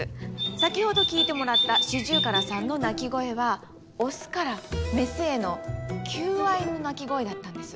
先ほど聞いてもらったシジュウカラさんの鳴き声はオスからメスへの求愛の鳴き声だったんです。